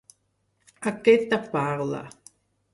Aquesta parla.